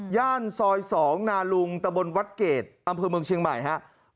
ย่านซอย๒นาลุงตะบลวัดเกรดตำพื้นเมืองเชียงใหม่